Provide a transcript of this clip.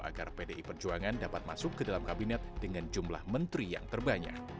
agar pdi perjuangan dapat masuk ke dalam kabinet dengan jumlah menteri yang terbanyak